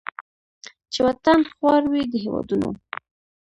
چې وطن خوار وي د هیوادونو